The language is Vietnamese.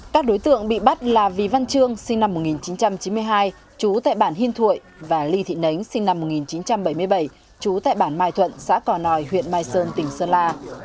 các đối tượng bị bắt là vy văn trương sinh năm một nghìn chín trăm chín mươi hai chú tại bản hiên thuội và ly thị nánh sinh năm một nghìn chín trăm bảy mươi bảy chú tại bản mai thuận xã cỏ nòi huyện mai sơn tỉnh sơn la